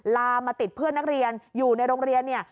ลามาติดเพื่อนนักเรียนอยู่ในโรงเรียนเนี่ย